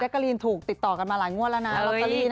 แจการีนถูกติดต่อกันมาหลายงวดละนะแจการีน